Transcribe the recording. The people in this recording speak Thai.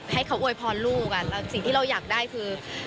ให้เขาอวยพรลูกสิ่งที่เราอยากได้คือ